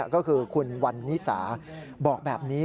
ก็คือคุณวันนิสาบอกแบบนี้